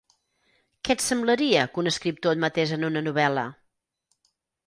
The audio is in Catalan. Què et semblaria que un escriptor et matés en una novel·la?